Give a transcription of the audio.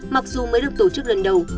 mặc dù mới được tổ chức lần đầu